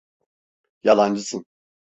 Yalancısın!